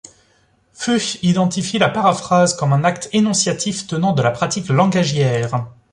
Fuchs identifie la paraphrase comme un acte énonciatif tenant de la pratique langagière.